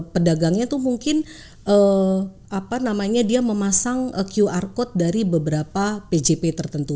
pedagangnya itu mungkin dia memasang qr code dari beberapa pjp tertentu